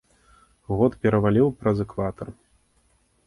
Год пераваліў праз экватар.